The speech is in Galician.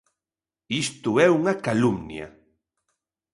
Isto é unha calumnia.